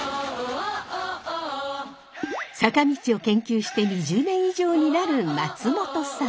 坂道を研究して２０年以上になる松本さん。